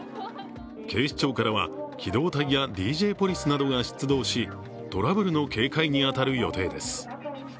警視庁からは機動隊やＤＪポリスなどが出動しトラブルの警戒に当たる予定です。